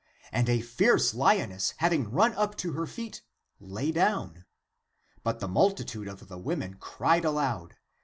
And a fierce lioness having run up to her feet, lay down. But the multitude of the women cried aloud.